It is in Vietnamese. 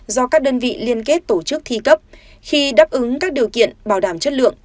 do các đơn vị liên kết tổ chức thi cấp khi đáp ứng các điều kiện bảo đảm chất lượng